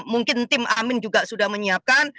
mungkin tim amin juga sudah menyiapkan